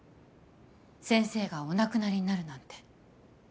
先生がお亡くなりになるなんて。